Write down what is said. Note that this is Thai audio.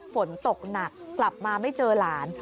ฝนตกหนักกลับมาไม่เจอหลาน